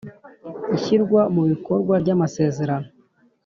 Ishyirwa mu bikorwa ry amasezerano